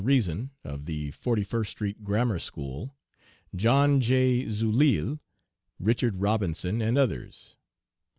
Reason, of the Forty first Street Grammar School; John J. Zuilille; Richard Robinson, and others.